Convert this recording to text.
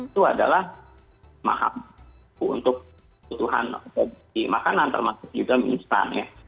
itu adalah maham untuk kebutuhan bagi makanan termasuk juga minsternya